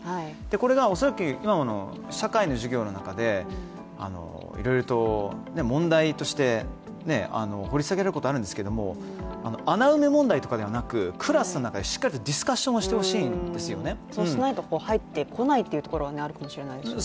これが恐らく、今の社会の授業の中でいろいろと問題として掘り下げることがあるんですけども穴埋め問題とかではなく、クラスの中でしっかりとディスカッションをしてほしいんですよね、そうしないと入ってこないというところにあるかもしれないですね。